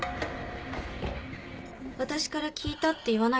私から聞いたって言わないでくれる？